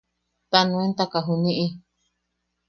Ta nuentaka juniʼi.